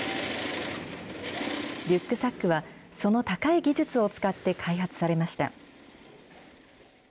リュックサックは、その高い技術を使って開発されました。